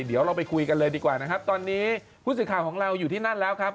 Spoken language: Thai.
เดี๋ยวเราไปคุยกันเลยดีกว่านะครับตอนนี้ผู้สื่อข่าวของเราอยู่ที่นั่นแล้วครับ